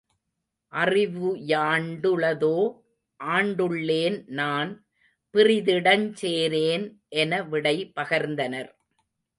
அறிவுயாண்டுளதோ ஆண்டுள்ளேன் நான் பிறிதிடஞ் சேரேன் என விடை பகர்ந்தனர்.